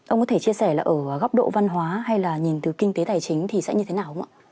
ông có thể chia sẻ là ở góc độ văn hóa hay là nhìn từ kinh tế tài chính thì sẽ như thế nào không ạ